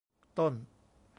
ต้น